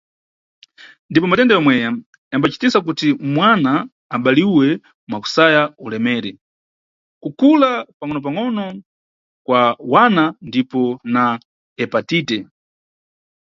Ndipo matenda yomweya yambacitisa kuti mwana abaliwe mwakusaya ulemeri, kukula pangʼonopangʼono kwa wana ndipo na hepatite.